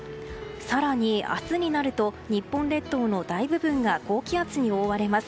更に明日になると日本列島の大部分が高気圧に覆われます。